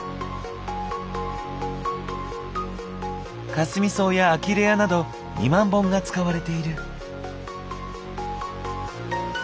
かすみ草やアキレアなど２万本が使われている。